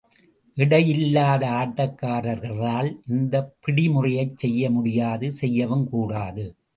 எடையில்லாத ஆட்டக் காரர்களால் இந்தப் பிடி முறையை செய்ய முடியாது செய்யவும் கூடாது.